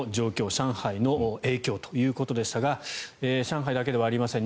上海の影響ということでしたが上海だけではありません。